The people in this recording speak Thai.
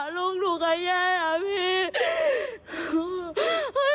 ลูกหนูก็แย่อะพี่